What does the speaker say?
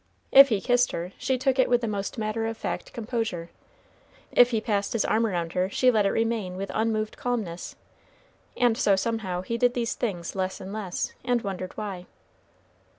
If he kissed her, she took it with the most matter of fact composure; if he passed his arm around her, she let it remain with unmoved calmness; and so somehow he did these things less and less, and wondered why.